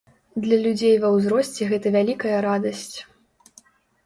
Для людзей ва ўзросце гэта вялікая радасць.